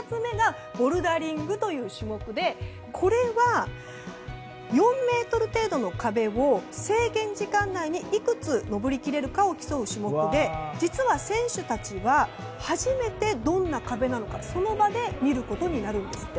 ボルダリングという種目でこれは、４ｍ程度の壁を制限時間内にいくつ登りきれるかを競う種目で実は、選手たちは初めて、どんな壁なのかその場で見ることになるんですって。